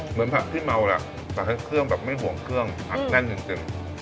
เหมือนผักที่เมาแหละแต่ทั้งเครื่องแบบไม่ห่วงเครื่องผักแน่นจริง